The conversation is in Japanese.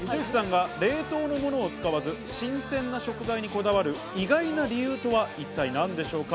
冷凍のものを使わず、新鮮な食材にこだわる意外な理由とは一体何でしょうか？